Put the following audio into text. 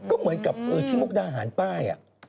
ก็เหมือนกับที่มุกดาหารป้าย